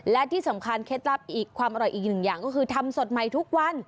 และที่สำคัญเคล็ดลับอีกความอร่อยอีกหนึ่งอย่างก็คือทำสดใหม่ทุกวัน